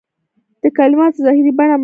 د کلماتو ظاهري بڼه مهمه نه ده.